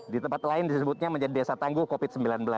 di tempat lain disebutnya menjadi desa tangguh covid sembilan belas